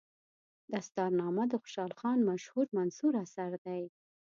دستارنامه د خوشحال خان مشهور منثور اثر دی.